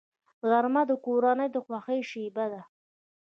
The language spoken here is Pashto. غرمه د کورنۍ د خوښۍ شیبه ده